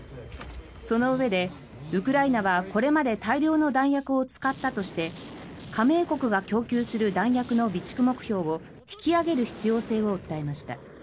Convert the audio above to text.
そのうえで、ウクライナはこれまで大量の弾薬を使ったとして加盟国が供給する弾薬の備蓄目標を引き上げる必要性を訴えました。